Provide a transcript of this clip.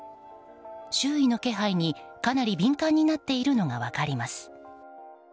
周囲の気配にかなり敏感になっているのが分かります。